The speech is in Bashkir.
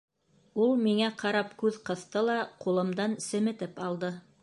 Ул миңә ҡарап күҙ ҡыҫты ла ҡулымдан семетеп алды.